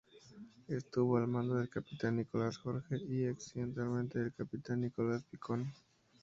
Estuvo al mando del capitán Nicolás Jorge y accidentalmente del capitán Nicolás Picón.